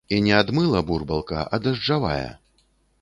І не ад мыла бурбалка, а дажджавая.